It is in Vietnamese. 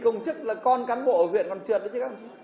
không chức là con cán bộ ở huyện còn trượt nữa chứ các ông chú